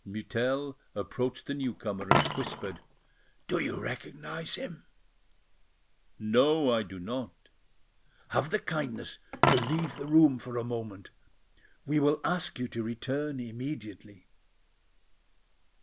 Mutel approached the new comer and whispered— "Do you recognise him?" "No, I do not." "Have the kindness to leave the room for a moment; we will ask you to return immediately."